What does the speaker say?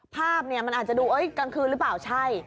ภาพเนี่ยมันอาจจะดูกลางคืนหรือเปล่าใช่